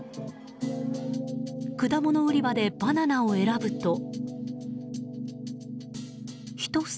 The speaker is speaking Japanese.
果物売り場でバナナを選ぶと。